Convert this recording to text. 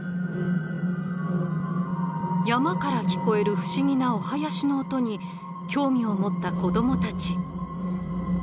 山から聞こえる不思議なお囃子の音に興味を持った子どもたち。